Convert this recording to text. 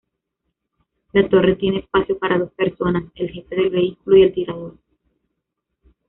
La torre tiene espacio para dos personas: el jefe del vehículo y el tirador.